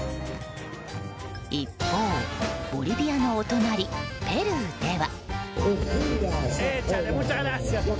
一方、ボリビアのお隣ペルーでは。